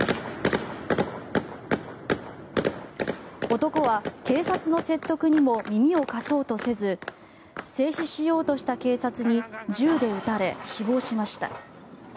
男は警察の説得にも耳を貸そうとせず制止しようとした警察に銃で撃たれ、死亡しました。